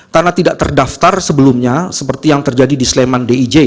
karena tidak terdaftar sebelumnya seperti yang terjadi di sleman dij